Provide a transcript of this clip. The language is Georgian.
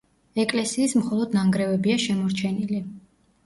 ეკლესიის მხოლოდ ნანგრევებია შემორჩენილი.